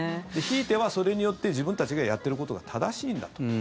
ひいてはそれによって自分たちがやっていることが正しいんだと。